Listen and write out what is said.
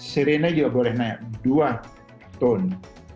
sirene juga boleh naya dua tone